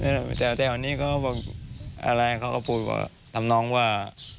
แล้วเจ้าว่าตั้งชีวิตใดก็บอกเราก็ไม่รู้ว่า